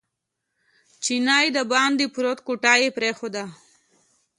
چینی دباندې پرېوت کوټه یې پرېښوده.